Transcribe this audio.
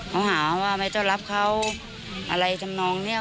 เขาหาว่าไม่ต้องรับเขาอะไรทำนองเนี่ย